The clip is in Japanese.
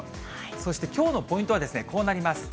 そしてきょうのポイントはこうなります。